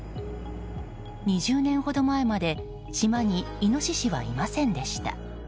２０年ほど前まで島にイノシシはいませんでした。